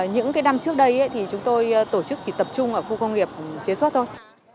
những năm trước đây thì chúng tôi tổ chức chỉ tập trung ở khu công nghiệp chế xuất thôi